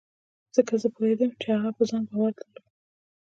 ځکه زه پوهېدم چې هغه په ځان باور درلود.